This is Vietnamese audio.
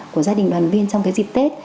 của gia đình đoàn viên trong cái dịp tết